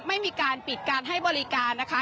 ไม่มีการปิดการให้บริการนะคะ